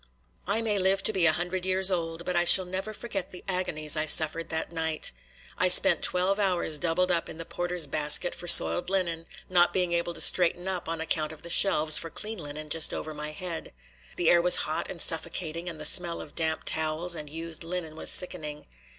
I may live to be a hundred years old, but I shall never forget the agonies I suffered that night. I spent twelve hours doubled up in the porter's basket for soiled linen, not being able to straighten up on account of the shelves for clean linen just over my head. The air was hot and suffocating and the smell of damp towels and used linen was sickening.